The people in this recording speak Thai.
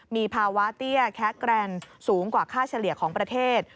มีภาวะเตี้ยแครนสูงกว่าค่าเฉลี่ยของประเทศ